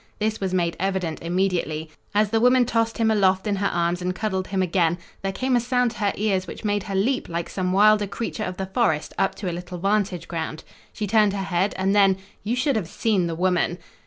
This was made evident immediately. As the woman tossed him aloft in her arms and cuddled him again there came a sound to her ears which made her leap like some wilder creature of the forest up to a little vantage ground. She turned her head, and then you should have seen the woman!